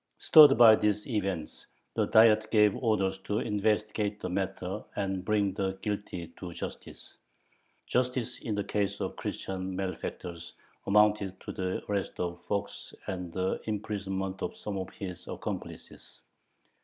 Stirred by these events, the Diet gave orders to investigate the matter and bring the guilty to justice. Justice in the case of the Christian malefactors amounted to the arrest of Fox and the imprisonment of some of his accomplices.